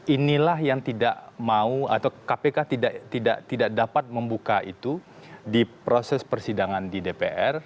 inilah yang tidak mau atau kpk tidak dapat membuka itu di proses persidangan di dpr